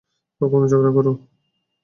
কখনও ঝগড়া করে।